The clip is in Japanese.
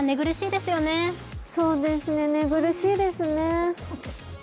そうですね、寝苦しいですね。